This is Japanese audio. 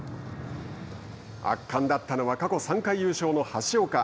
圧巻だったのは過去３回優勝の橋岡。